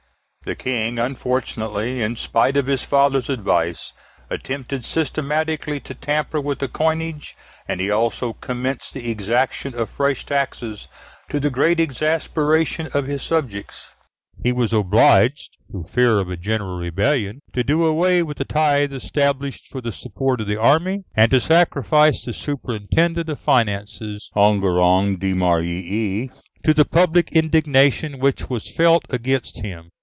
The King unfortunately, in spite of his father's advice, attempted systematically to tamper with the coinage, and he also commenced the exaction of fresh taxes, to the great exasperation of his subjects. He was obliged, through fear of a general rebellion, to do away with the tithe established for the support of the army, and to sacrifice the superintendent of finances, Enguerrand de Marigny, to the public indignation which was felt against him.